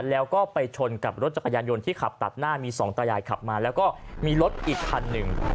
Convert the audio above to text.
แล้วก็ไปชนกับรถจักรยานยนต์ที่ขับตัดหน้ามีสองตายายขับมาแล้วก็มีรถอีกคันหนึ่ง